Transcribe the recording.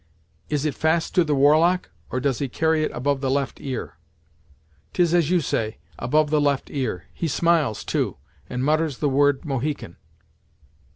"Is it fast to the war lock, or does he carry it above the left ear?" "'Tis as you say, above the left ear; he smiles, too, and mutters the word 'Mohican.'"